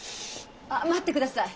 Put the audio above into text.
あっ待ってください！